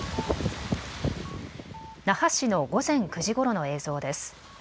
那覇市の午前９時ごろの映像です。